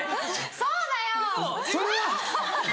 そうだよ！